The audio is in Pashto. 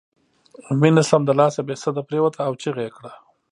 مينه سمدلاسه بې سده پرېوته او چيغه یې کړه